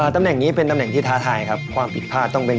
ตำแหน่งนี้เป็นตำแหน่งที่ท้าทายครับความผิดพลาดต้องเป็น